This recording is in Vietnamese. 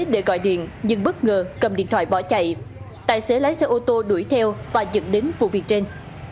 để gọi điện nhưng bất ngờ cầm điện thoại bỏ chạy tài xế lái xe ô tô đuổi theo và dẫn đến vụ việc trên